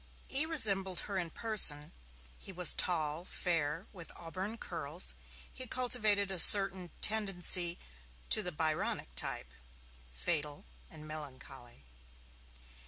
E. resembled her in person, he was tall, fair, with auburn curls; he cultivated a certain tendency to the Byronic type, fatal and melancholy.